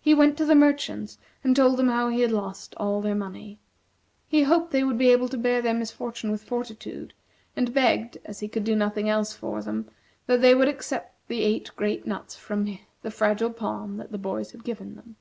He went to the merchants, and told them how he had lost all their money. He hoped they would be able to bear their misfortune with fortitude, and begged, as he could do nothing else for them, that they would accept the eight great nuts from the Fragile Palm that the boys had given him.